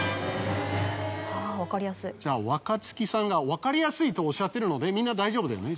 若槻さんが分かりやすいとおっしゃってるのでみんな大丈夫だよね？